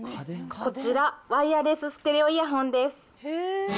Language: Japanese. こちら、ワイヤレスステレオイヤホンです。